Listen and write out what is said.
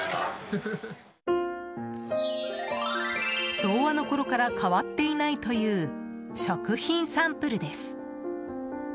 昭和のころから変わっていないという食品サンプルです。